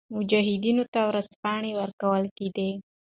مجاهدینو ته ورځپاڼې ورکول کېدې.